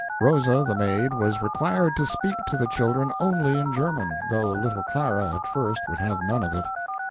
Rosa, the maid, was required to speak to the children only in German, though little Clara at first would have none of it.